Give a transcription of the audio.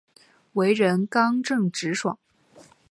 为人刚正直爽。